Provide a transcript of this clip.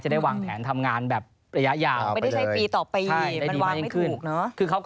จะได้วางแถนทำงานระยะยาว